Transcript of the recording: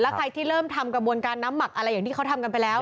ใครที่เริ่มทำกระบวนการน้ำหมักอะไรอย่างที่เขาทำกันไปแล้ว